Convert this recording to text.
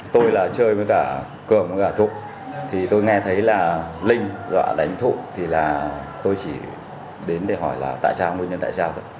tôi là chơi với cả cường với cả thục thì tôi nghe thấy là linh dọa đánh thụ thì là tôi chỉ đến để hỏi là tại sao nguyên nhân tại sao